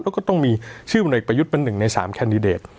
แล้วก็ต้องมีชื่อผลเอกประยุทธ์เป็น๑ใน๓แคนดิเดต